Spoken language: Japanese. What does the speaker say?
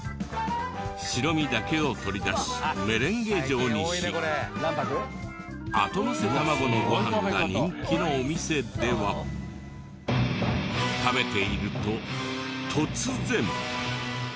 白身だけを取り出しメレンゲ状にしあとのせ卵のご飯が人気のお店では食べていると突然。